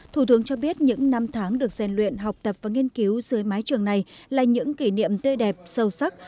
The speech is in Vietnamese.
thủ tướng cho biết những năm tháng được gian luyện học tập và nghiên cứu dưới mái trường này là những kỷ niệm tươi đẹp sâu sắc